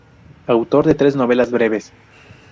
Autor de tres novelas breves.